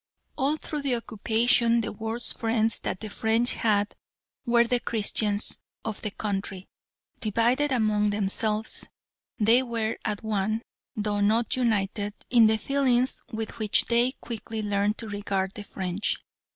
All through the occupation the worst friends that the French had were the Christians of the country. Divided among themselves, they were at one, though not united, in the feelings with which they quickly learned to regard the French.